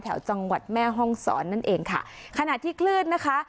แถวจังหวัดแม่ห้องศรนั่นเองค่ะขณะที่คลื่นนะคะ